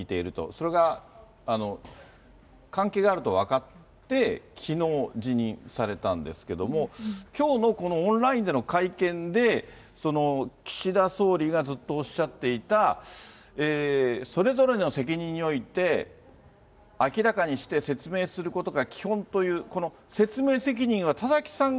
それが関係があると分かって、きのう辞任されたんですけれども、きょうのこのオンラインでの会見で、岸田総理がずっとおっしゃっていた、それぞれの責任において、明らかにして説明することが基本という、この説明責任は、田崎さん